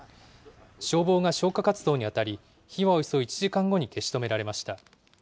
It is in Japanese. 消防が消火活動に当たり、火はおよそ１時間後に消し止められました。